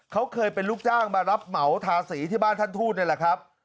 เขาเคยเป็นลูกจ้างมารับเหมาทาสีที่บ้านท่านทูตนี่แหละครับ